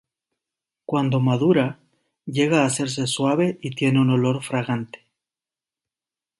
Cuando madura, llega a hacerse suave y tiene un olor fragante.